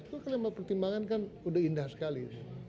itu kan pertimbangan kan sudah indah sekali